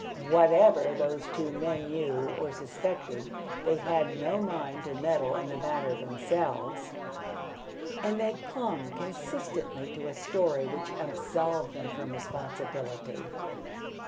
Whatever those two men knew or suspected, they had no mind to meddle in the matter themselves, and they clung consistently to a story which absolved them from responsibility.